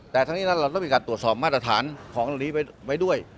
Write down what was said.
แต่ทั้งนี้นั้นเราต้องมีการตรวจสอบมาตรฐานของเหล่านี้ไว้ด้วย